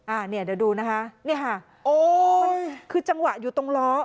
อ่าเนี่ยเดี๋ยวดูนะคะนี่ค่ะโอ้ยคือจังหวะอยู่ตรงล้อ